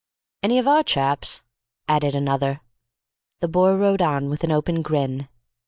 "Any of our chaps?" added another. The Boer rode on with an open grin.